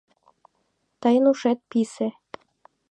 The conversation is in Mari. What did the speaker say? — Тыйын ушет писе...